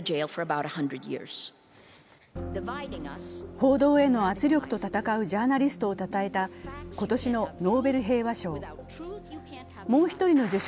報道への圧力と闘うジャーナリストをたたえた今年のノーベル平和賞。